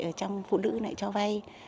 ở trong phụ nữ này cho vay